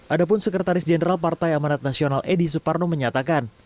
adapun sekretaris jenderal partai amanat nasional edi suparno menyatakan